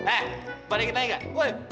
eh balikin aja gak